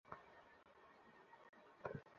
তার শরীরে ছিল লাল বর্ণের পশম।